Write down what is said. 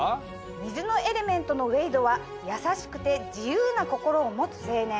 水のエレメントのウェイドは優しくて自由な心を持つ青年。